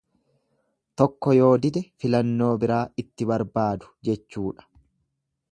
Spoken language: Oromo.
Tokko yoo dide filannoo biraa itti barbaadu jechuudha.